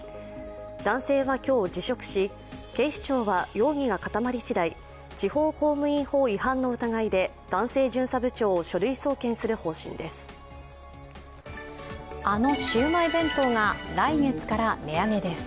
男性は今日辞職し、警視庁は今日、容疑が固まりしだい、地方公務員法違反の疑いで男性巡査部長を書類送検する方針です。